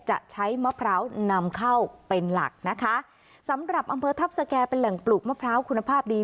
จะใช้มะพร้าวนำเข้าเป็นหลักนะคะสำหรับอำเภอทัพสแก่เป็นแหล่งปลูกมะพร้าวคุณภาพดี